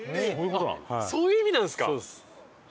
あっそういう意味なんですか。